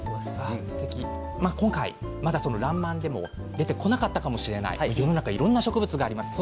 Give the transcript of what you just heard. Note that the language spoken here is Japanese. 「らんまん」でも出てこなかったかもしれない、世の中、いろんな植物があります。